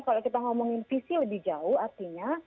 kalau kita ngomongin visi lebih jauh artinya